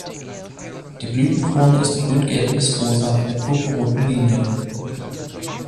Die Blütenkrone ist grüngelb bis rosa mit purpurroten Linien.